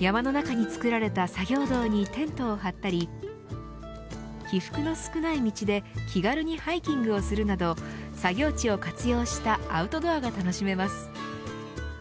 山の中に作られた作業道にテントを張ったり起伏の少ない道で気軽にハイキングをするなど作業地を活用したアウトドアが楽しめます。